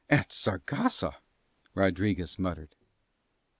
"At Saragossa!" Rodriguez muttered.